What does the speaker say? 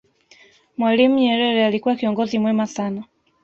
mwalimu nyerere alikuwa kiongozi mwema sana